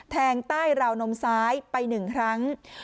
แทงใต้ราวนมซ้ายไป๑ครั้ง